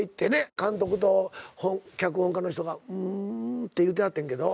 監督と脚本家の人が「うーん」って言うてはってんけど。